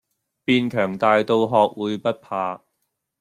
變強大到學會不怕